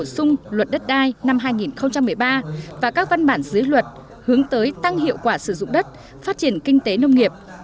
bổ sung luật đất đai năm hai nghìn một mươi ba và các văn bản dưới luật hướng tới tăng hiệu quả sử dụng đất phát triển kinh tế nông nghiệp